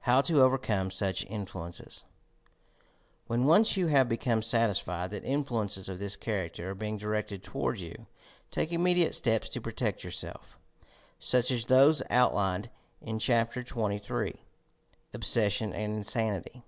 HOW TO OVERCOME SUCH INFLUENCES When once you have become satisfied that influences of this character are being directed toward you, take immediate steps to protect yourself — such as those out lined in Chapter XXIII, "Obssession and Insanity."